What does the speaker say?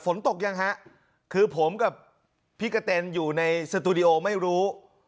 ฝนตกยังฮะคือผมกับพี่กะเต็นอยู่ในสตูดิโอไม่รู้